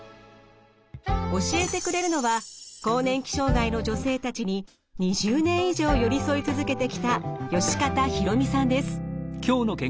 教えてくれるのは更年期障害の女性たちに２０年以上寄り添い続けてきた善方裕美さんです。